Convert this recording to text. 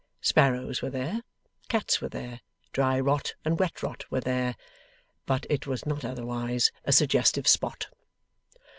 Sparrows were there, cats were there, dry rot and wet rot were there, but it was not otherwise a suggestive spot.